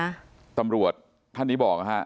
ก็เหมือนที่ตำรวจท่านที่บอก